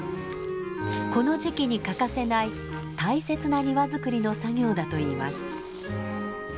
この時期に欠かせない大切な庭づくりの作業だといいます。